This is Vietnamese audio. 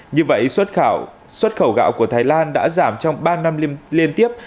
như vậy xuất khẩu gạo của thái lan đã giảm trong ba năm liên tiếp